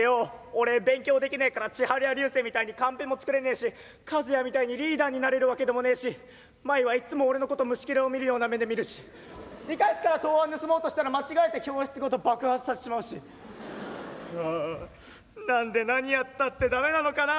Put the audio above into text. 俺勉強できねえからチハルやリュウセイみたいにカンペも作れねえしカズヤみたいにリーダーになれるわけでもねえしマイはいっつも俺のこと虫ケラを見るような目で見るし理科室から答案盗もうとしたら間違えて教室ごと爆発させちまうしはあ何で何やったって駄目なのかな